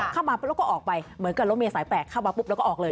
เข้ามาปุ๊บแล้วก็ออกไปเหมือนกับรถเมษาย๘เข้ามาปุ๊บแล้วก็ออกเลย